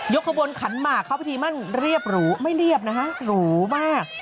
ขบวนขันหมากเข้าพิธีมั่นเรียบหรูไม่เรียบนะฮะหรูมาก